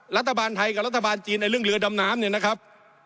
รัฐบาลไทยกับรัฐบาลจีนในเรื่องเรือดำน้ำเนี่ยนะครับ